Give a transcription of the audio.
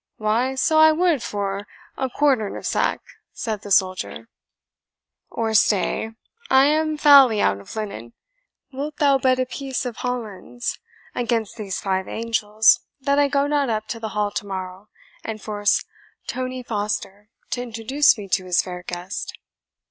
"Why, so I would for a quartern of sack," said the soldier "or stay: I am foully out of linen wilt thou bet a piece of Hollands against these five angels, that I go not up to the Hall to morrow and force Tony Foster to introduce me to his fair guest?"